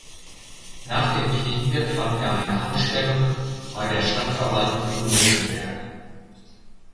Nach dem Kriege fand er eine Anstellung bei der Stadtverwaltung in Miltenberg.